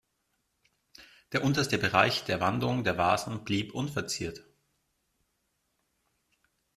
Der unterste Bereich der Wandung der Vasen blieb unverziert.